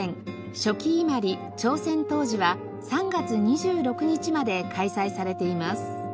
「初期伊万里朝鮮陶磁」は３月２６日まで開催されています。